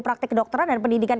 praktik kedokteran dan pendidikan